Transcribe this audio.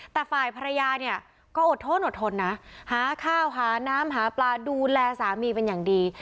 แต่ฝ่ายภรรยาเนี่ยก็อดท้อนอดทนนะหาข้าวหาน้ำหาปลาดูแลสามีเป็นอย่างดี